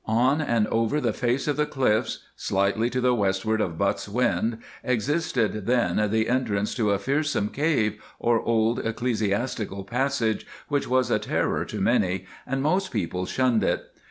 On and over the face of the cliffs, slightly to the westward of Butts Wynd, existed then the entrance to a fearsome cave, or old ecclesiastical passage, which was a terror to many, and most people shunned it.